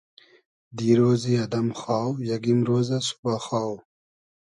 دیرۉزی ادئم خاو ، یئگ ایمرۉزۂ ، سوبا خاو